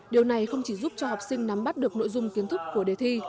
điều này không chỉ giúp cho học sinh nắm bắt được nội dung kiến thức của đề thi